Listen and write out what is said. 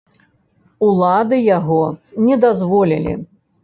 Улады яго не дазволілі.